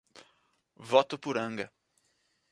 Votuporanga